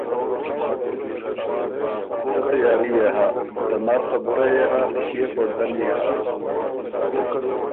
څه تیاري يې هۀ ته نر خبُره يې هۀ، ݭيې پړده ن يې هۀ“